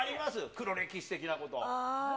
黒歴史的なこと。